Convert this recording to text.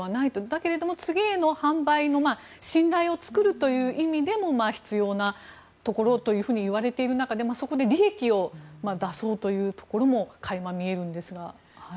だけれども、次への販売の信頼を作るという意味でも必要なところといわれている中でそこで利益を出そうというところも垣間見えるんですが。